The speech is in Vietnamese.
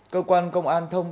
cơ quan công an thông tin